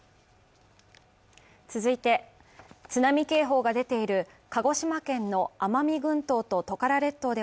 続いて、津波警報が出ている鹿児島県の奄美群島